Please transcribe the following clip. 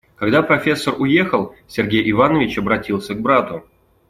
Когда профессор уехал, Сергей Иванович обратился к брату.